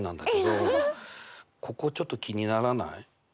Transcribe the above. ここちょっと気にならない？